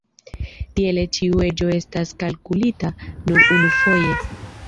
Tiele, ĉiu eĝo estas kalkulita nur unufoje.